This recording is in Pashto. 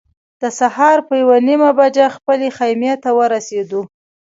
د سهار په یوه نیمه بجه خپلې خیمې ته ورسېدو.